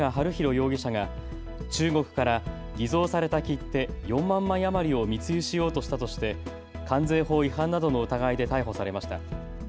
容疑者が中国から偽造された切手４万枚余りを密輸しようとしたとして関税法違反などの疑いで逮捕されました。